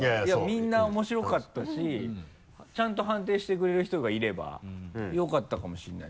みんな面白かったしちゃんと判定してくれる人がいればよかったかもしれないです。